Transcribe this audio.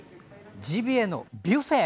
ジビエのビュッフェ？